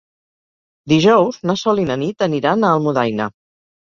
Dijous na Sol i na Nit aniran a Almudaina.